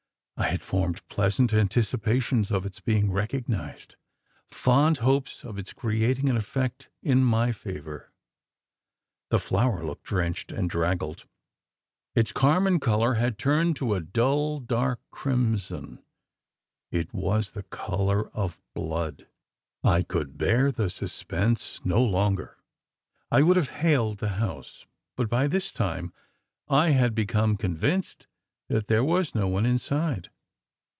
I had formed pleasant anticipations of its being recognised fond hopes of its creating an effect in my favour. The flower looked drenched and draggled. Its carmine colour had turned to a dull dark crimson: it was the colour of blood! I could bear the suspense no longer. I would have hailed the house; but by this time I had become convinced that there was no one inside.